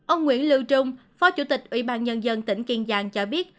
ông nguyễn lưu trung phó chủ tịch ủy ban nhân dân tỉnh kiên giang cho biết